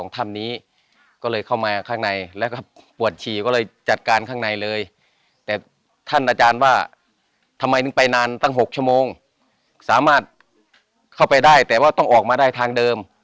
ทำไมถึงไปนานตั้งหกชั่วโมงสามารถเข้าไปได้แต่ว่าต้องออกมาได้ทางเดิม